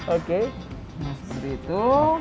oke seperti itu